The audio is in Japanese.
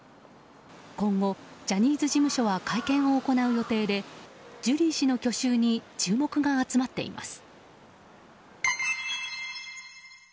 今後、ジャニーズ事務所は会見を行う予定でジュリー氏の去就に注目が集まっています。